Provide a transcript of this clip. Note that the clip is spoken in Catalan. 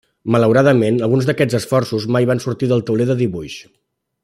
Malauradament, alguns d'aquests esforços mai van sortir del tauler de dibuix.